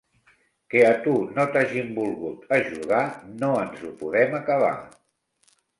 Que, a tu, no t'hagin volgut ajudar, no ens ho podem acabar.